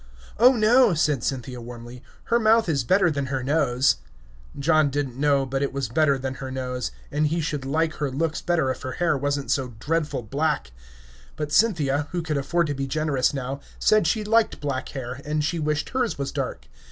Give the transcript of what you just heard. "Oh, no," said Cynthia warmly; "her mouth is better than her nose." John did n't know but it was better than her nose, and he should like her looks better if her hair was n't so dreadful black. But Cynthia, who could afford to be generous now, said she liked black hair, and she wished hers was dark.